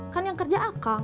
kan yang kerja akang